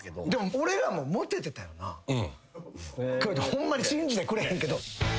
ホンマに信じてくれへんけど。